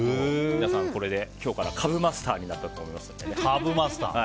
皆さん、これで今日からカブマスターになったと思いますので。